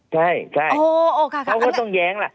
ใช่ใช่โอ้โอ้ค่ะค่ะเขาก็ต้องแย้งล่ะ